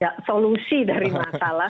ya solusi dari masalah